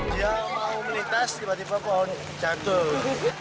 dia mau melintas tiba tiba pohon jatuh